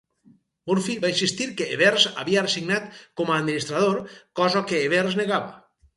Murphy va insistir que Evers havia resignat com a administrador, cosa que Evers negava.